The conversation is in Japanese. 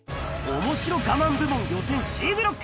面白我慢部門予選Ｃブロック。